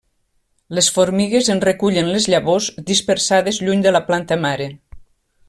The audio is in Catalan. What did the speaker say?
Les formigues en recullen les llavors, dispersades lluny de la planta mare.